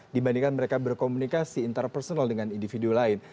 dibandingkan mereka berkomunikasi interpersonal dengan individu lain